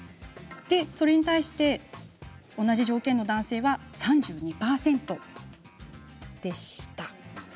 それに対して同じ条件の男性は３２％でした。